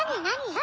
何？